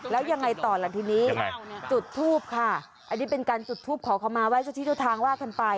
แล้วยังไงต่อล่ะทีนี้จุดทูปค่ะอันนี้เป็นการจุดทูปขอคำมาไห้เจ้าที่เจ้าทางว่ากันไป